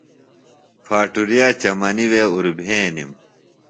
پھاٹُرِیا چمنی وے اُربھینِم۔